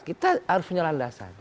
kita harus punya landasan